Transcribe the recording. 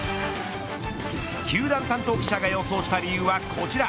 球団担当記者が予想した理由はこちら。